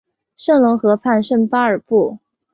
盖隆河畔圣巴尔布。